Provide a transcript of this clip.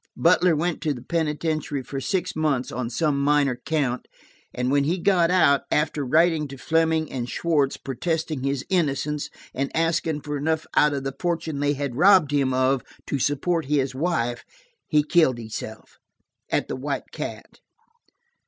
Butler went to the penitentiary for six months, on some minor count and when he got out, after writing to Fleming and Schwartz, protesting his innocence, and asking for enough out of the fortune they had robbed him of to support his wife, he killed himself, at the White Cat."